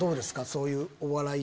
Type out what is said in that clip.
そういうお笑いの。